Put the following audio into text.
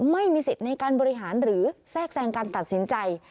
ไม่มีสิทธิ์ในการบริหารหรือแทรกแทรงการตัดสินใจ